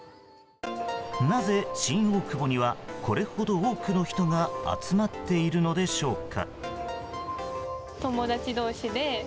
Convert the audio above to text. なぜ新大久保にはこれほど多くの人が集まっているのでしょうか？